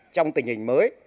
trong tình hình mới